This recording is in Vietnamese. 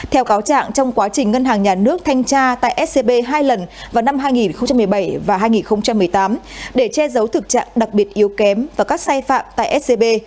theo cáo trạng trong quá trình ngân hàng nhà nước thanh tra tại scb hai lần vào năm hai nghìn một mươi bảy và hai nghìn một mươi tám để che giấu thực trạng đặc biệt yếu kém và các sai phạm tại scb